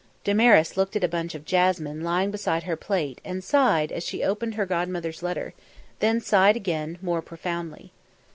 Damaris looked at a bunch of jasmine lying beside her plate, and sighed as she opened her godmother's letter; then sighed again, more profoundly.